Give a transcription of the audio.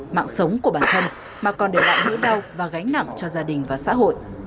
mạng sống của bản thân mà còn để lại nữ đau và gánh nặng cho gia đình và xã hội